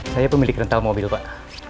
saya pemilik rental mobil pak